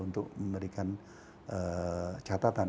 untuk memberikan catatan